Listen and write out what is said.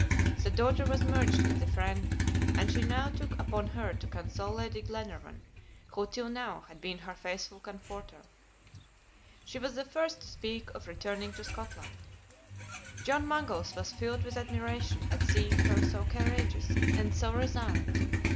The daughter was merged in the friend, and she now took upon her to console Lady Glenarvan, who till now had been her faithful comforter. She was the first to speak of returning to Scotland. John Mangles was filled with admiration at seeing her so courageous and so resigned.